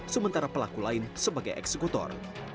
sementara pelaku lain sebagai eksekutor